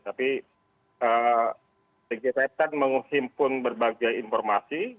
tapi tgipf kan mengusimpun berbagai informasi